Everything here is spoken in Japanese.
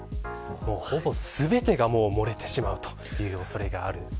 ほぼ全てが漏れてしまうという恐れがある。